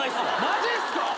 マジっすか！？